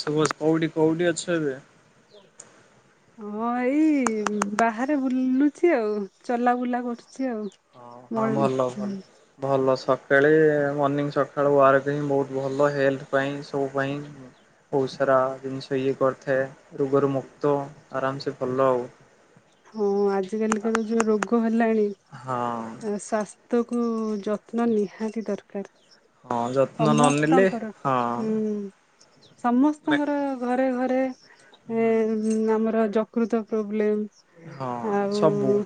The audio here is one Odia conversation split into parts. ଶୁଭଶ୍, କୋଉଠି କୋଉଠି ଅଛ ଏବେ? ହଁ, ଏଇ ବାହାରେ ବୁଲୁଚି ଆଉ ଚଲାବୁଲା କରୁଛି ଆଉ ହଁ ମ ହଁ ଭଲ ଭଲ, ଭଲ ସକାଳେ ମର୍ନିଂ ସକାଳୁ ୱାର୍କ ହିଁ ବହୁତ୍ ଭଲ ହେଲଥ୍ ପାଇଁ ସବୁ ପାଇଁ। ବହୁତ୍ ସାରା ଜିନିଷ ଇଏ କରିଥାଏ ରୋଗରୁ ମୁକ୍ତ ଆରାମସେ ଭଲ ଆଉ। ହଁ ଆଜିକାଲିକା ତ ଯୋଉ ରୋଗ ହେଲାଣି ହଁ ସ୍ୱାସ୍ଥ୍ୟକୁ ଯତ୍ନ ନିହାତି ଦରକାର ହଁ ଯତ୍ନ ନ ନେଲେ ସମସ୍ତଙ୍କର ହଁ ହୁଁ ସମସ୍ତଙ୍କର ଘରେ ଘରେ [inaudible] ଏଁ-ଏଁ-ଏଁ ଆମର ଯକୃତ ପ୍ରୋବ୍ଲେମ। ହଁ ଆଉ ସବୁ।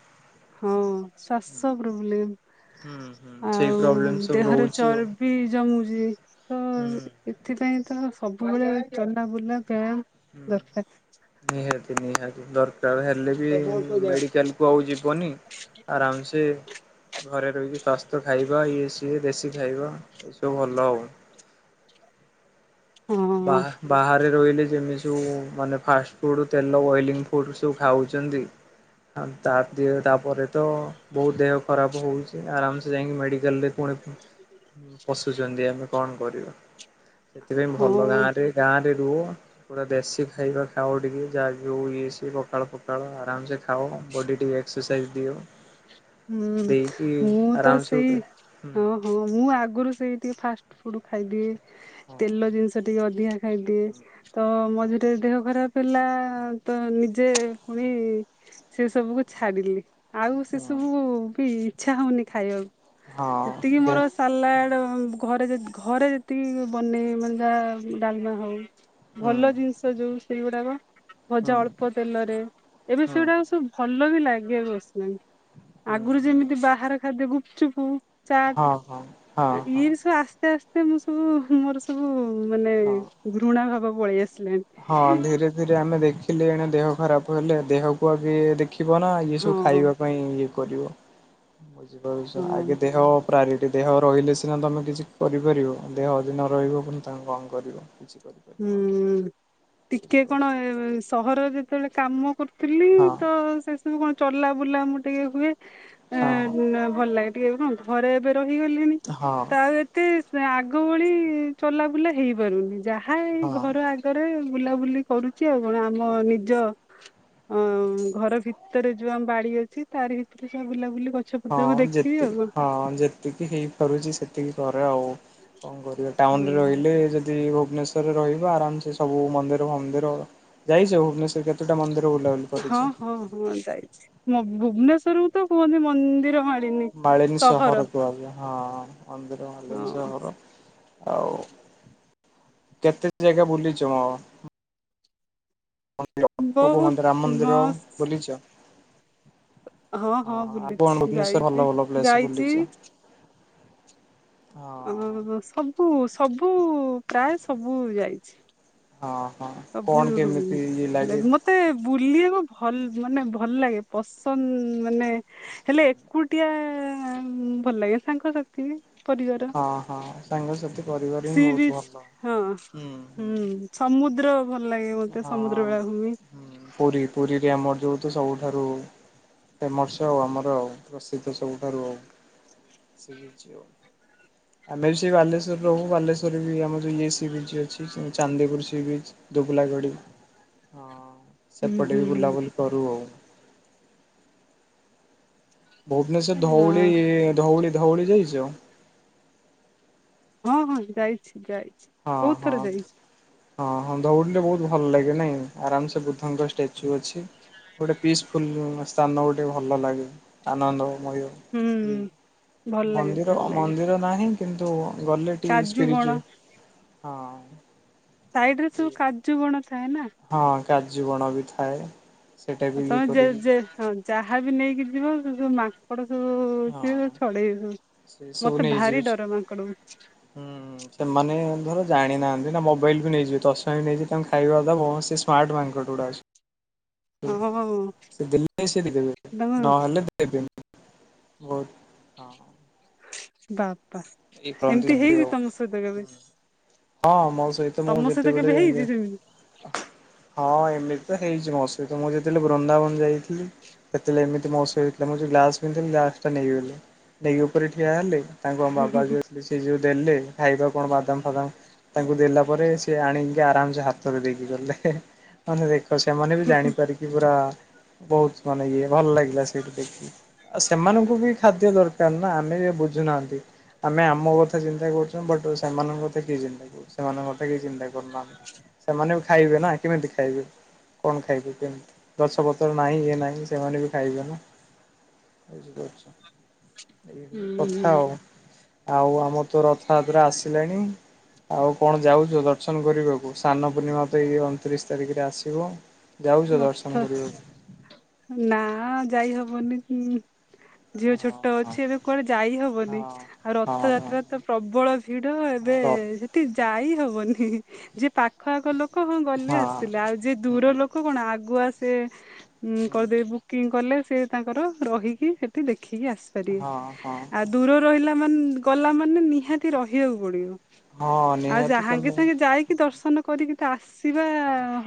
ହଁ। ଶ୍ବାସ ପ୍ରୋବ୍ଲେମ୍ ହୁଁ ହୁଁ ସେଇ ଆଉ ପ୍ରୋବ୍ଲେମ ସବୁ ଦେହରେ ରହୁଛି ଆଉ ଚର୍ବି ଜମୁଚି। ଚି, ତ ହୁଁ ଏଥିପାଇଁ ତ ସବୁବେଳେ ଚଲାବୁଲା ବ୍ୟାୟାମ ହୁଁ, ନିହାତି ନିହାତି ଦର୍ [inaudible] ହେଲେ ବି ଦରକାର। ମେଡ଼ିକାଲକୁ ଆଉ ଯିବନି ଆରାମସେ ଘରେ ରହିକି ସ୍ୱାସ୍ଥ୍ୟ ଖାଇବା ଇଏ ସିଏ ଦେଶ୍ [inaudible] ଖାଇବା ଏସବୁ ଭଲ ଆଉ ହଁ ବାହା ବାହାରେ ରହିଲ୍ ଯେମିତି ସବୁ ମାନେ ଫାଷ୍ଟଫୁଡ଼୍ ତେଲ ଅଏଲିଙ୍ଗ ଫୁଡ଼୍ ସବୁ ଖାଉଛନ୍ତି ଆଉ ତା ଦେ ତାପରେ ତ ବହୁତ ଦେହ ଖରାପ ହଉଛି ଆରାମସେ ଯାଇଁକି ମେଡିକାଲରେ ପୁଣି ପଶୁଛନ୍ତି, ଆମେ କଣ କରିବା, ସେଥିପାଇଁ ଭଲ ହଁ ଗାଁରେ ଗାଁରେ ର ପୁରା ଦେଶୀ ଖାଇବା ଖାଅ ଟିକେ ଯାହା ବି ହଉ ଇଏ ସିଏ ପଖାଳ ପଖାଳ ଆରାମସେ ଖାଅ। ବଡି ଟିକେ ଏକ୍ସରସାଇଜ ଦିଅ। ହୁଁ ଦେଇକି ମୁଁ ତ ଆରାମସେ ସେଇ ଗୋଟେ ହଁ ହଁ ହୁଁ ମୁଁ ଆଗରୁ ସେଇ ଟିକେ ଫାଷ୍ଟ ଫୁଡ୍ ଖାଇଦିଏ ତେଲ ହଁ। ଜିନିଷ ଟିକେ ଅ ଧିକା ଖାଇଦିଏ ତ ମଝିରେ ଦେହ ଖରାପ ହେଲା ତ ନିଜେ ପୁଣି ସେ ସବୁ କୁ ଛାଡ଼ିଲି ଆଉ ସେ ହଁ। ସବୁ ବି ଇଚ୍ଛା ହଉନି ଖାଇବାକୁ ହଁ ଯେତିକି ଦେ ମୋର ସାଲାଡ ଘରେ ଜେତ ଘରେ ଯେତିକି ବନେଇବେ ମାନେ ଯାହା ଡାଲମା ହଉ। ହୁଁ ଭଲ ଜିନିଷ ଯୋଉ ସେଇଗୁଡାକ। ହୁଁ ଭଜା ଅଳ୍ପ ତେଲରେ ଏବେ ହୁଁ ସେଗୁଡାକ ସବୁ ଭଲ ବି ଲାଗେ ବାସନା। ହୁଁ ଆଗରୁ ହୁଁ। ଯେମିତି ବାହାର ଖାଦ୍ୟ ଗୁପଚୁପୁ ହଉ ଚାଟ ହଁ ହଁ ହଁ ହଁ ଇଏ ବି ସବୁ ଆସ ଆସ୍ତେ ଆସ୍ତେ ମୁଁ ସବୁ ମୋର ସବୁ ମାନେ ହଁ। ଘୃଣା ଭାବ ପଳେଇ ଆସି ହଁ ଧୀରେ ଧୀରେ ଆମେ ଦେଖିଲେ ଏଣେ ଦେହ ଖରାପ ହେଲେ ଦେହକୁ ଆଗେ ଦେଖ ଖିବ ନା ଇଏ ହଁ ସବୁ ଖାଇବା ପାଇଁ ଇଏ କରିବ ବୁଝିପାରୁଛ ଆଗେ ହଁ ଦେହ ପ୍ରାରି ଦେହ ରହିଲେ ସିନା ତମେ କିଛି କରିପାରିବ ଆଉ ଦେହ ଯଦି ନରହିବ ପୁଣୀ ତମେ କଣ କରିବ କିଛି କରିପାରିବନି ହୁଁ ଟିକେ କଣ ବୁଝିପାରୁଛ ସହରରେ ଯେତେବେଳେ କାମ କରୁ ଥିଲି ହଁ ତ ସେସବୁ କଣ ଚଲା ବୁଲା ମୁଁ ଟିକେ ହୁଏ ହଁ ଭଲ ଲାଗେ। ଟିକେ କଣ ଘରେ ଏବେ ରହିଗଲେଣି ତ ହଁ ଆଉ ଏତେ ସେ ଆଗ ଭଳି ଚଲାବୁଲା ହେଇପାରୁନି ଯାହା ଏଇ ହଁ। ଘର ଆଗରେ ବୁଲାବୁଲି କରୁଛି ଆଉ କଣ ଆମ ନିଜ ଅ ଘର ଭିତରେ ଯୋଉ ଆମ ବାଡି ଅଛି ତାରି ଭିତରେ ସ ବୁଲାବୁଲି। ଗଛ ହଁ ପତ୍ରକୁ ଦେଖିବି ଯେତିି ଆଉ ହଁ ଯେତିକି ହେଇପାରୁଛି ସେତିକି କର। ଆଉ କଣ କରିବା ଟାଉନରେ କଣ। ରହିଲେ ଯଦି ଭୁବନେଶ୍ଵରରେ ରହିବ ଆରାମସେ ସବୁ ମନ୍ଦିର ମନ୍ଦିର ଯାଇ ସେ ଭୁବନେଶ୍ୱର କେତେଟା ମନ୍ଦିର? ବୁଲାବୁଲି ହଁ କରିଛ? ହଁ ହଁ ଯାଇଛି ମ ଭୁବନେଶ୍୍ୱର କୁ ତ କୁହନ୍ତି ମନ୍ଦିର ହ ମାଳିନି ସହହରକୁୁ ଆ ହଁ ଅନ୍ଦର ମାଳିନ ହଁ ସହର ଆଉ କେତେ ଜାଗା ବୁଲିଛ? ବହୁତ [unintelligible] ରାମ ମନ୍ଦିର ମସ୍ତ ବୁଲିଛ। ହଁ ହଁ ଆଉ କଣ ବୁଲୁଛି ଭୁବନେଶ୍ୱର ଭଲ ଯାଇଛି ଭଲ ପ୍ଲେସ ଯାଇଛି। ବୁଲିଛ? ହଁ ଅ ସବୁ ସବୁ ପ୍ରାୟ ସବୁ ଯାଇଛି। ହଁ ହଁ ସବୁ କଣ କେମିତି ଇଏ ଲାଗେ? ମତେ ବୁଲିବା ଭଲ ମାନେ ଭଲ ଲାଗେ ପସନ୍ଦ ମାନେ ହେଲେ ଏକୁଟିଆ ଭଲ ଲାଗେ ସାଙ୍ଗସାଥି। ପରିବାର ହଁ ହଁ ସାଙ୍ଗସାଥି ପରିବାର ହିଁ ସି ବହୁତ ବିସ ଭଲ। ହଁ ହୁଁ ହଁ ହୁଁ। ସମୁ ହଁ ହଁ ପୁରୀ ପୁରୀରେ ଆମର ଯୋଉ ସବୁଠାରୁ ଫେମସ ଆଉ ଆମର ପ୍ରସିଦ୍ଧ ସବୁଠାରୁ ସି ବିଚ୍ ଆଉ। ଆମେ ବି ସେଇ ବାଲେଶ୍ଵରରେ ରହୁ ବାଲେଶ୍୍ୱରରେ ବି ଆମରଯଉ ଇଏ ସି ବିଚ୍ ଅଛି ଚାନ୍ଦିପୁର ସି ବିଚ। ଦୁବୁଲାଗଡ଼ି ହ ହୁଁ ସେପଟେ ବି ହୁଁ ବୁଲାବୁଲି କରୁ ଆଉ। ଭୁବନେଶ୍୍ୱର ଧଉଳି ଧଉଳି ଧଉଳି ଯାଇଛ। ହଁ ହଁ ଯାଇଛି ଯାଇ ହଁ ହଁ। ହଁ ହଁ ଦୌଡିଲେ ବହୁତ ଭଲ ଲାଗେ ନାଇ ଆରାମସେ ବୁଦ୍ଧଙ୍କ ଷ୍ଟାଚ୍ୟୁ ଅଛି। ଗୋଟେ ପିସଫୁଲ ସ୍ଥାନ ଗୋଟେ ଭଲ ଲାଗେ ଆନନ୍ଦ ମୟ ହୁଁ ଭଲ ଲାଗେ ମନ୍ଦିର ଭଲ ଲାଗେ ମନ୍ଦିର ନାହିଁ କିନ୍ତୁ ଗଲେ ଟିକେ କାଜୁ ବଣ ସ୍ପିରିଚୁଏ ହଁ। ସାଇଡ ରେ ସବୁ କାଜୁ ବଣ ଥାଏ ନା। ହଁ କାଜୁ ବଣ ବି ଥାଏ। ସେଇଟା ଆ ବି ଇଏ ତମେ ଯେ କରିକି ଯେ ହଁ ଯାହା ବି ନେଇକି ଯିବ ଯୋଉ ମାଙ୍କଡ ହୁ ସେ ହଁ ସବୁ ଛଡେଇ ସବୁ ସେ ସବୁ ମତେ ଭାରି ନେଇଯିବ ସେ ଡର ମାଙ୍କଡକୁ ହୁଁ ସେମାନେ ଧର ଜାଣିନାହାନ୍ତି ନା ମୋବାଇଲ ବି ନେଇଯିବେ ଚଷମା ବି ନେଇଯିବେ ତାଙ୍କୁ ଖାଇବା ହଁ ସେ ସ୍ମାର୍ଟ ମାଙ୍କଡ଼ ଗୁଡା ଅଛ ହୁଁ ହଁ ସେ ଦେଲେ ସେଠି ଦେବେ ତାଙ୍କ ନହେଲେ ସେ ଦେବେନି। ବହୁତ ହଁ। ବାପା ଏଇ କରନ୍ତି ଏମିତି ସେମିତି ହେଇଚି ଆଉ ତମ ସହିତ କେବେ? ହଁ ମୋ ସହିତ ମୁଁ ତମ ସହିତ ଯେତେବେଳେ କେବେ ଯାଏ ହେଇଛି ସେମିତି ହଁ [unintelligible] ହେଇଚି ମୋ ସହିତ ମୁଁ ଯେତେବେଳେ ବୃନ୍ଦାବନ ଯାଇଥିଲି। ସେତେବେଳେ ଏମିତି ମୋ ସହିତ ମୁଁ ଯୋଉ ଗ୍ଲାସ ପିନ୍ଧଥିଲି ଗ୍ଲାସଟା ନେଇଗଲେ। ନେଇକି ଉପରେ ଠିଆ ହେଲେ ତାଙ୍କୁ ଆମ ବାବା ଯୋଉ ଥିଲେ ସେ ଯୋଉ ଦେଲେ ଖାଇବା କଣ ବାଦାମ ଫାଦାମ ତାଙ୍କୁ ଦେଲା ପରେ ସେ ଆଣିକି ଆରାମସେ ହାତରେ ଦେଇକିି ଗଲେ [unintelligible] ମାନେ ଦେ ତ ସେମାନେ ବି ଜାଣିପାରିକି ପୁରା ବୋହୁତ ମାନେ ଇଏ ଭଲ ଲାଗିଲା ସେଇଠୁ ଦେଖି ଆ ସେମାନଙ୍କୁ ବି ଖାଦ୍ୟ ଦରକାର ନା। ଆମେ ବି ବୁଝୁନାହାନ୍ତି। ଆମେ ଆମ କଥା ଚିନ୍ତା କରୁଚନ ବଟ ସେମାନଙ୍କ କଥା କିଏ ଚିନ୍ତା କରୁଚି। ସେମାନଙ୍କ କଥା କିଏ ଚିନ୍ତା କରୁନ ଆମେ। ସେମାନେ ବି ଖାଇବେ ନା କେମିତି ଖାଇବେ। କଣ ଖାଇବେ କେମତି ଗଛପତର ନାହିଁ ଇଏ ନାହିଁ ସେମାନେ ବି ଖାଇବେ ନା। [unintelligible] ହୁଁ କଥା ହୁଁ ହୋବୁ। ଆଉ ଆମର ତ ରଥଯାତ୍ରା ଆସିଲାଣି। ଆଉ କଣ ଯାଉଚୁ ଦର୍ଶନ କରିବାକୁ ସାନ ପୂର୍ଣିମା ତ ଏଇ ଅଣତିରିଶ ତାରିଖରେ ଆସିବ। ଯାଉଛ ଦର୍ଶନ ରଥ କରିବାକୁ ନାଁ ଯାଇ ହବନି ଉଁ। ଝିଅ ହଁ ଛୋଟ ହଁ ଅଛି ଏବେ କୁଆଡେ ଯାଇ ହବନି ହଁ ଆଉ ହଁ ହଁ। ରଥଯାତ୍ରା ତ ପ୍ରବଳ ଭିଡ ଏବେ ହଁ ର ଏ ସେଠି ଯାଇ ହବନି। ଯିଏ ପାଖ ଆଖ ଲୋକ ହଁ ଗଲେ ଆସିଲେ ଆଉ ଯିଏ ଦୂର ହୁଁ ଲୋ ଆଗୁଆ ସେ ଉଁ ହୁଁ। କରିଦେବେ ବୁକିଂ କଲେ ସେ ତାଙ୍କର ରହିକି ସେଠି ଦେ ଦେଖିକି ଆସିପାରିବେ। ହଁ ହଁ ଆଉ ଦୂର ରହିଲା ମାନ ଗଲା ମାନେ ନିହାତି ରହିବାକୁ ପଡିବ। ହଁ ଆଉ ଯାହା ନିହାତି ସାଙ୍ଗେ ତମେ ସାଙ୍ଗେ ଯାଇକି ଦର୍ଶ ନ କରିକି ତ ଆସିବା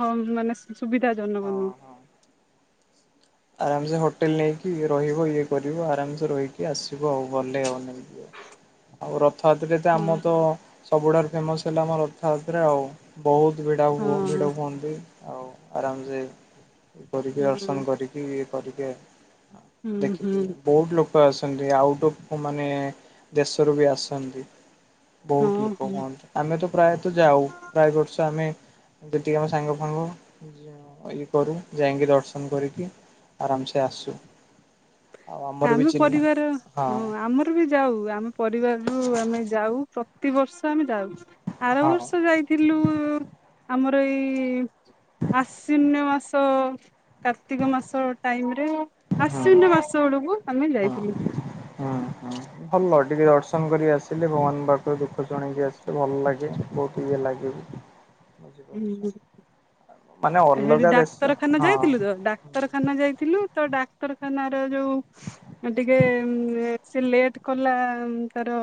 ହଁ ମାନେ ସୁବିଧା ଜନକ ହଁ ନୁହଁ। ହଁ। ଆରାମସେ ହୋଟେଲ ନେଇକି ରହିବ ଇଏ କରିବ ଆରାମସେ ରହିକି ଆସିବ ଆଉ ଗଲେ [unintelligible] ଆଉ ରଥଯାତ୍ରାରେ ତ ଆମର ହଁ ତ ସବୁଠାରୁ ଫେମସ୍ ହେଲା ଆମ ରଥଯାତ୍ରା ଆଉ ବୋହୁ ଭିଡା ହୁଅ ହଁ ଭିଡ ହୁଅନ୍ତି ଆଉ ଆରାମସେ କରିକି ହୁଁ ଦର୍ଶନ କରି ଇଏ କରିକେ ହୁଁ ଦେଖିକି ହୁଁ ବୋହୁତ ଲୋକ କ ଆଛନ୍ତି ଆଉଟ୍ ଅଫ୍ ମାନେ ଦେଶରୁ ବି ଆସନ୍ତି। ହଁ ବୋହୁତ ଲୋକ ହଁ ହୋନ୍ତି ଆମେ ତ ପ୍ରାୟତଃ ଯାଉ ପ୍ରୟେ ବର୍ଷ ଆମେ ଯେତିିକି ଆମ ସାଙ୍ଗ ଫାଙ୍ଗ ଇଏ କରୁ ଯାଇକି ଦର୍ଶନ କରିକି। ଆରାମ ସେ ଆସୁ ଆଉ ଆମର ବି ଆମେ ଚିହ୍ନା ପରିବାର ହଁ ଆମର ବି ଯାଉ ଆମ ପରିବାରରୁ ଆମେ ଯାଉ। ପ୍ରତିବର୍ଷ ଆମେ ଯାଉଚୁ। ଆର ହଁ ବର୍ଷ ଯାଇଥିଲୁ ଆମର ଏଇ ଆସିନ୍ଵ ମାସ କାର୍ତ୍ତିକ ମାସ ଟାଇମ ରେ। ହଁ ଆସିନ୍ଵ ମାସ ବେଳକୁ ଆମେ ହଁ ଯାଇଥିଲୁ। ହଁ ହଁ ଭଲ ଟିକେ ଦର୍ଶନ କରିକି ଆସିଲେ ଭଗବାନଙ୍କ ପାଖରୁ ଦୁଃଖ ଶୁଣେଇକି ଆସିଲେ ଭଲ ଲାଗେ ବୋହୁତ ଇଏ ଲାଗେ। ହୁଁ ବଝିପାରୁଛ? ସେଠି ଡାକ୍ତରଖାନା ଯାଇଥିଲୁ ତ ହୁଁ ଡାକ୍ତରଖାନା ଯାଇଥିଲୁ ତ ଡାକ୍ତରଖାନାର ଯୋଉ ଟିକେ ସିଏ ଲେଟ୍ କଲା ତାର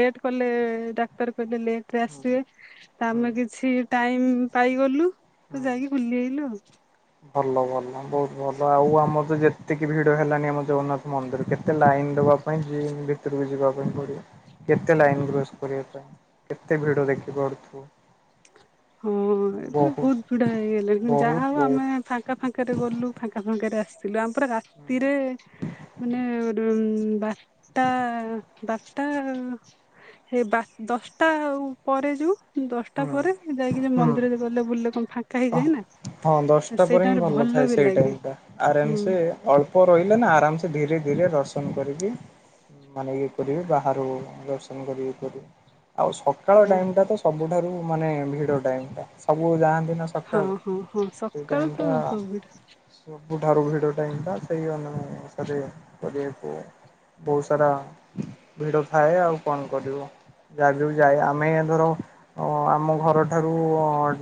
ଲେଟ୍ କଲେ ଡାକ୍ତର କହିଲେ ଲେଟରେ ଆସିବେ ହୁଁ ତା ଆମେ କିଛି ଟାଇମ ପାଇଗଲୁ। ତ ହୁଁ ଯାଇକି ବୁଲି ଆଇଲୁ ଆଉ। ଭଲ ଭଲ ବୋହୁତ ଭଲ ଆଉ ଆମର ତ ଯେତିକି ଭିଡ ହେଲାଣି ଆମ ଜଗନ୍ନାଥ ମନ୍ଦିର କେତେ ଲାଇନ ଦ ଯିବା ପାଇଁ ଯିମ୍ ଭିତରକୁ ଯିବା ପାଇଁ ପଡିବ। କେତେ ଲାଇନ କ୍ରସ୍ କରିବା ପାଇଁ କେତେ ଭିଡ ଦେଖି ପାରୁୁଥିବ। ହଁ ଏବେ ବହୁତ ଭିଡା ହେଇଗଲେନି ବହୁତ ଯାହା ହୋଉ ଆମେ ବହୁତ ନା ଫାଙ୍କା ଫାଙ୍କାରେ ଗଲୁ ଫାଙ୍କା ଫାଙ୍କାରେ ଆସିଥିଲୁ ଆମ ପୁରା ରାତିରେ ମାନେ ବାରଟା ବାରଟା ଏ ବା ଦଶଟା ଆଉ ପରେ ଟା ଯାଉ ଦଶଟା ହୁଁ ପରେ ଯାଇକିରି ଯେ ହୁଁ ମନ୍ଦିରରେ ଗଲେ ବୁଲିଲେ ଫାଙ୍କା ହେଇଯାଏ ନା। ହଁ ଦଶଟା ସେଇ ପରେ ହିଁ ଟାଇମରେ ଭଲ ଥାଏ। ବି ସେଇ ଲାଗେ ଟାଇମ ଟା ଆରାମ୍ ହୁଁ ସେ ଅଳ୍ପ ରହିଲେ ନା ଆରାମ୍ ସେ ଧୀରେ ଧୀରେ ଦର୍ଶନ କରିକି ମାନେ ଇଏ କରିବେ ବାହାରୁ ଦର୍ଶନ କରିବେ କରିବେ। ଆଉ ସକାଳ ହଁ ଟାଇମ ଟା ତ ସବୁଠାରୁ ମାନେ ଭିଡ ଟାଇମ ଟା ସବୁ ଯାଆନ୍ତି। ନା ହଁ ସକାଳୁ ହଁ ହଁ ସେଇ ସକାଳୁ ଟାଇମ ଟା ତ ସବୁ ଭିଡ଼ ସବୁଠାରୁ ଭିଡ ଟାଇମ ସେଇ ଅନୁସାରେ କରିବାକୁ। ବହୁତ ସାରା ଭିଡ ଥାଏ ଆଉ କଣ କରିବୁ। ଯା ଯୋଉ ଯାଏ ଆମେ ଧର ଅଁ ଆମ ଘରଠାରୁ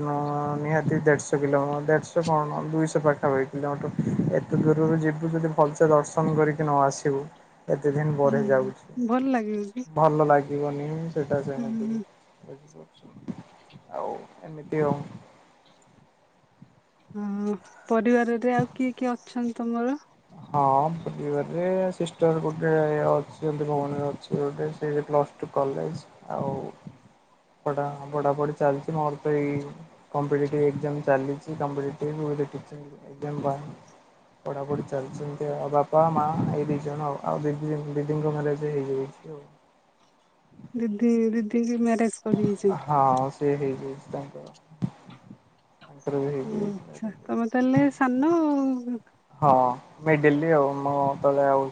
ନ ନିହା କି ଦେଢଶହ କିଲ ଦେଢଶହ କଣ ଦୁଇଶହ ପାଖାପାଖି କିଲମିଟର ଏତେ ଦୂରରୁ ଯିବୁ ଯଦି ଭଲସେ ଦର୍ଶନ କରିକି ନ ଆସିବୁ ଏତେ ଦିନ ପରେ ହୁଁ ଯାଉଛି ଭଲ ଲାଗିବ କି ଭଲ ଲାଗି ଯିବନି ସେଇଟା ସେମିତି ହୁଁ ଆଉ ଏମିତି ଆଉ ହଁ ପରିବାରରେ ଆଉ କିଏ କିଏ ଅଛନ୍ତି ତମର। ହଁ ପରିବାରରେ ସିଷ୍ଟର ଗୋଟେ ଅଛି ଏମତୀ ଭଉଣୀ ଅଛି ଗୋଟେ ସେ ପ୍ଲସ୍ ଟୁ କଲେଜ ଆଉ ପଢ଼ା ପଢାପଢି ଚାଲିଚି ମୋରୋ ତ ଏଇ କମ୍ପିଟେଟିବ୍ ଏକ୍ସାମ ଚାଲିଚି କମ୍ପିଟେଟିବ୍ [unintelligible] ପଢ଼ାପଢ଼ି ଚା ଚାଲିଚି ଏମିତି ଆଉ ଆଉ ବାପା ମା ଏଇ ଦି ଜଣ ଆଉ ଆଉ ଦିଦି ଦିଦିଙ୍କ ମ୍ୟାରେଜ ହେଇଯାଇଚି ଆଉ। ଦିଦି ଦିଦିଙ୍କି ମ୍ୟା ହଁ ସେ ହେଇଯାଇଚି ତାଙ୍କର। ଓଃ ତାଙ୍କର ବି ହେଇଯାଇଛି ଆଚ୍ଛା ମ୍ୟାରେଜ ତମେ ତାହାଲେ ସାନ ଆଉ। ହଁ ମିଡ଼ିଲି ଆଉ ମୋ ତଳେ ଆଉ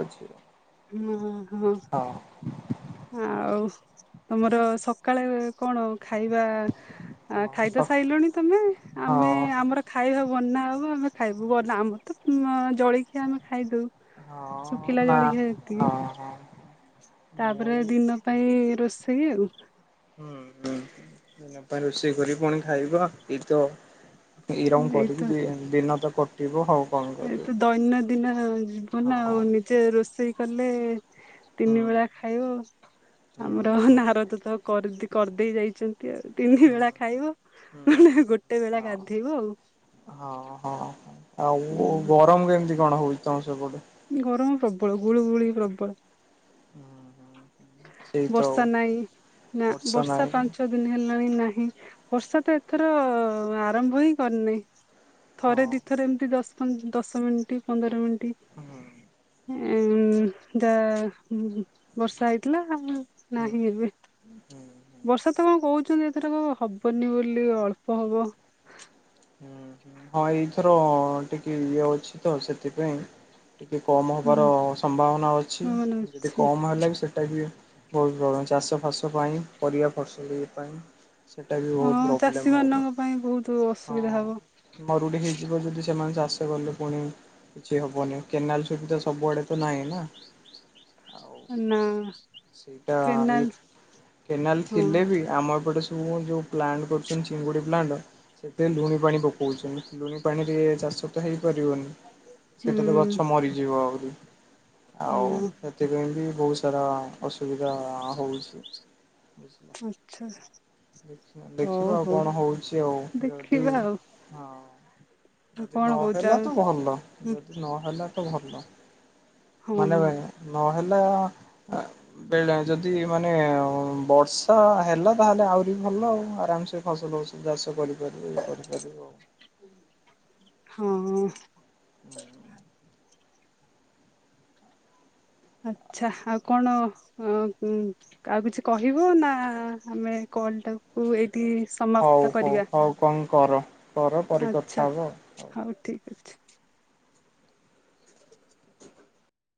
ଅଛି। [unintelligible] ହଁ। ଆଉ ତମର ସକାଳେ କଣ ଖାଇବା ଆଁ ହଁ ଖାଇତ ସ ସାଇଲଣି ତମେ ହଁ ଆମେ ଆମର ଖାଇବା ବନା ହବ ଆମେ ଖାଇବୁ ବନା ଆମର ତ ଉଁମ୍ ଜଳଖିଆ ଆମେ ଖାଇଦୋଉ। ହଁ ଶୁଖିଲା ନା ଜଳିଖିଆ ହଁ ଯେତିକି। ହଁ ମୁଁ ତାପରେ ଦିନ ଏଇ ପାଇଁ ରୋଷେଇ ଆଉ। ହୁଁ ହୁଁ ଦିନ ପାଇଁ ରୋଷେଇ କରି ପୁଣି ଖାଇବା ଏଇ ତ ଏଇ ରଙ୍ଗ କରିବି ଏଇତ ଦୁଇ ଦିନ ତ କଟିବ ଆଉ କଁ କରିବୁ ଏଇତ ଦୈନନ୍ଦିନ ଜୀବନ ହଁ ଆଉ ନିଜେ ରୋଷେଇ କଲେ ହୁଁ ତିନି ବେଳା ଖାଇାବ ହୁଁ ଆମର ହୁଁ ନାରଦ [unintelligible] କରିଦେଇ ଯାଇଚନ୍ତି ଆଉ ତିନି ହୁଁ ବେଳା ଖାଇବ ହୁଁ ଗୋଟେ ବେଳା ଖା ହଁ ହଁ ହଁ ଆଉ ହୁଁ ଗରମ କେମିତି କଣ ହୋଉଚି ତମ ସେପଟେ? ଗରମ ପ୍ରବଳ ଗୁଳୁ ଗୁଳି ପ୍ରବଳ। ହୁଁ ହୁଁ। ବର୍ଷା ନାଇଁ ନା ବର୍ଷା ପାଞ୍ଚ ଛଅ ଦିନ ହେଲା। ଇନ ନାହିଁ ବର୍ଷା ତ ଏଥର ଆରମ୍ଭ ହିଁ କରିନାହିଁ। ହଁ ଥରେ ଦିଥରେ ଏମିତିଶ ଦଶ ପ ଦଶ ମିନିଟ ପନ୍ଦର ମିନିଟ- ହୁଁ ଏଁ ଦ ବର୍ଷା ହେଇଥିଲା। ହୁଁ ନାହିଁ ଏବେ। ହୁଁ ହୁଁ ବର୍ଷା ତ କଁ କୋହୁଚନ୍ତି ଏଥର ହବନି ବୋଲି ଅଳ୍ପ ହବ। ହୁଁ ହୁଁ ହଁ ଏଇଥର ଟିକେ ଇଏ ଅଛି ତ ସେଥିପାଇଁ ଟିକେ କମ୍ ହେବାର ହୁଁ। ସମ୍ଭାବନା ଅଛି ମାନେ ଯଦି ଅଛି କମ୍ ହେଲା ବି ସେଇଟା ବି ବହୁତ ପ୍ରୋବ୍ଲେମ ଚାଷ ଫାସ ପାଇଁ ପରିବା ଫସଲି ପାଇଁ ସେଟା ବି ବହୁତ ହଁ ଚାଷୀ ପ୍ରୋବ୍ଲେମ ହଉନି ମାନଙ୍କ ପାଇଁ ବହୁତ ଅସୁବିଧା ହବ। ହଁ ମରୁଡି ହେଇଯିବ ଯଦି? ସେମାନେ ଚାଷ କଲେ ପୁଣି କିଛି ହବନି କେନାଲ ସୁବିଧା ସବୁଆଡେ ତ ନାହିଁ ନା? ଆଉ ନା। ସେଇଟା କେନାଲ ଏଇ କେନାଲ ହଁ ଥିଲେ ବି ଆମପଟେ ତ ଯଉ ପ୍ଲାଣ୍ଟ କରୁଛନ୍ତି ଚିଙ୍ଗୁଡି ପ୍ଲାଣ୍ଟ ସେଥିରେ ଲୁଣିପାଣି ପକଉଛନ୍ତି ଲୁଣିପାଣିରେ ଚାଷ ତ ହେଇପାରିବନି ସେଟା ତ ହୁଁ ଗଛ ମରିଯିବ ଆହୁରି ଆଉ ହଁ। ସେଥିପାଇଁ ବି ବହୁତ ସାରା ଅସୁବିଧା ହଉଛି। ଆଛା। ଦେଖିବା ଦେଖିବା ଆଉ କଣ ହଉଛି ଆଉ ଯଦି ଦେଖିବା ଆଉ ହଁ ଆଉ ଯଦି କଣ କହୁଛ ନହେଲା ଆଉ ତ ଭଲ ଯଦି ନହେଲା ତ ଭଲ। ହଁ ମାନେ ଭ ନହେଲେ ବେଳେ ଯଦି ମାନେ ବର୍ଷା ହେଲା ତାହେଲେ ଆହୁରି ଭଲ ଆଉ ଆରାମସେ ଫସଲ ଫସଲ ଚାଷ କରିପାରିବେ ଇ କରିପାରିବୁ ଆଉ ହଁ। ବ [unintelligible] ଆଛା ଆଉ କଣ ଆଉ କିଛି କହିବ ନା ଆମେ କଲ ଟାକୁ ଏଇଠି ହଉ ସମାପ୍ତ ହଉ କରିବା ହଉ କଣ କର କର ପରେ ଆଚ୍ଛା କଥା ହବା ହଉ। ଠିକ୍ ଅଛି।